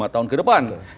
lima tahun kedepan